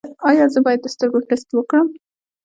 ایا زه باید د سترګو ټسټ وکړم؟